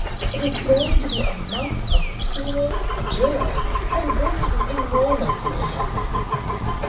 It is going to be a month of pure joy. I am going to be enormously happy."